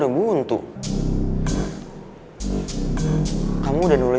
patung itu ada yang ada ya